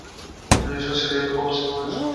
শ্বাসের এইরূপ অবস্থায় মনঃসংযম সহজ হয়।